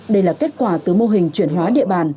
đây là kết quả từ mô hình chuyển hóa địa bàn